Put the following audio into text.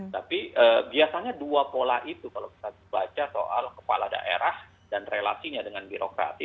tapi biasanya dua pola itu kalau kita baca soal kepala daerah dan relasinya dengan birokrasi